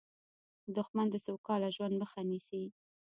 دښمن د سوکاله ژوند مخه نیسي